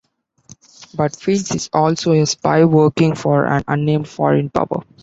But Fields is also a spy working for an unnamed foreign power.